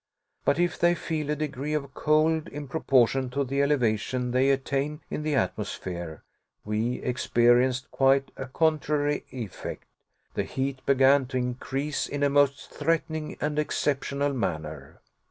But if they feel a degree of cold in proportion to the elevation they attain in the atmosphere, we experienced quite a contrary effect. The heat began to increase in a most threatening and exceptional manner.